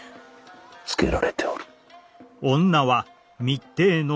つけられておる。